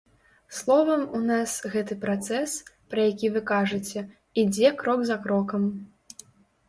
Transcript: Словам, у нас гэты працэс, пра які вы кажаце, ідзе крок за крокам.